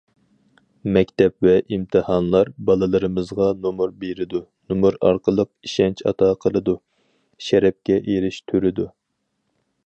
مەكتەپ ۋە ئىمتىھانلار بالىلىرىمىزغا نومۇر بېرىدۇ، نومۇر ئارقىلىق ئىشەنچ ئاتا قىلىدۇ، شەرەپكە ئېرىشتۈرىدۇ.